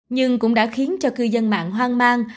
nhưng cũng đã khiến cho cư dân mạng hoang mang